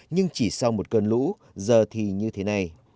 nhưng chỉ sau một cơn lũ giờ thì như thế này